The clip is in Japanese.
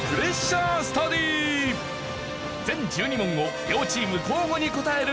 全１２問を両チーム交互に答えるクイズ。